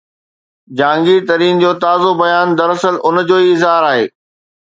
جهانگير ترين جو تازو بيان دراصل ان جو ئي اظهار آهي.